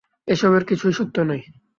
এসবের কিছুই সত্য নয়।